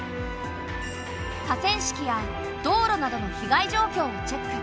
河川敷や道路などの被害状況をチェック。